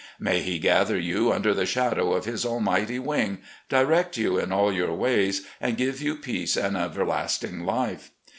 May He gather you under the shadow of His almighty wing, direct you in all your ways, and give you peace and everlasting life.